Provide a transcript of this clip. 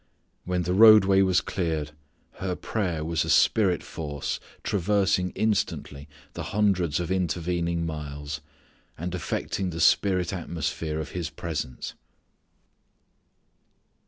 When the roadway was cleared, her prayer was a spirit force traversing instantly the hundreds of intervening miles, and affecting the spirit atmosphere of his presence.